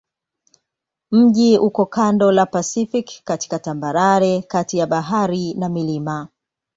Mji uko kando la Pasifiki katika tambarare kati ya bahari na milima.